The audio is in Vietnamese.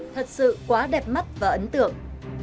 thật sự quá đẹp mắt và ấn tượng